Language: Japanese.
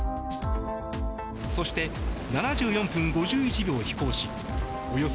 そして７４分５１秒飛行しおよそ